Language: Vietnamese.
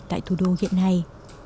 tại thủ đô hiện nay